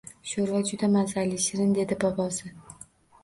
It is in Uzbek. – Sho‘rva juda mazali, shirin, – dedi bobosi